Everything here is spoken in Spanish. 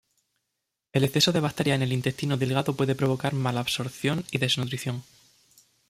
El exceso de bacterias en el intestino delgado puede provocar malabsorción y desnutrición.